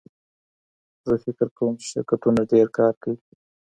زه فکر کوم چې شرکتونه ډېر کار کوي.